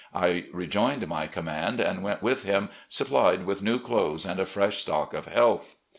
I rejoined my command and went with him, supplied with new clothes and a fresh stock of health.